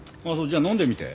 じゃあ飲んでみて。